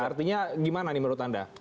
artinya gimana nih menurut anda